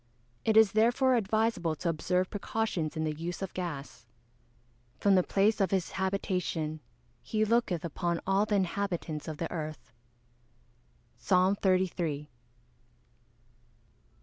It is therefore advisable to observe precautions in the use of gas. [Verse: "From the place of his habitation he looketh upon all the inhabitants of the earth." PSALM XXXIII.